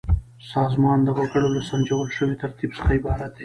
سازمان د وګړو له سنجول شوي ترتیب څخه عبارت دی.